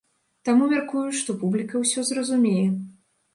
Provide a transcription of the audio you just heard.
Таму, мяркую, што публіка ўсё зразумее.